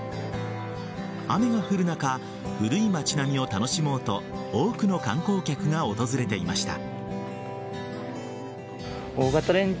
雨が降る中古い町並みを楽しもうと多くの観光客が訪れていました。